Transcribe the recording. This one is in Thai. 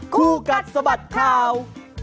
คู่กัดสะบัดข่าว